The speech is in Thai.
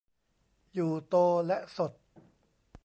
อยู่โตและสด